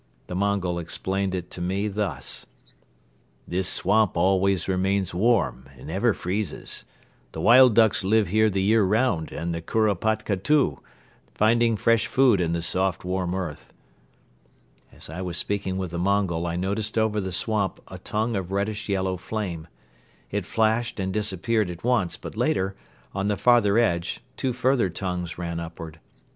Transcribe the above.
The Mongol explained it to me thus: "This swamp always remains warm and never freezes. The wild ducks live here the year round and the kuropatka too, finding fresh food in the soft warm earth." As I was speaking with the Mongol I noticed over the swamp a tongue of reddish yellow flame. It flashed and disappeared at once but later, on the farther edge, two further tongues ran upward.